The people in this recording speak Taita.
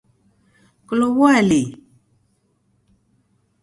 Kulow'ua lihi?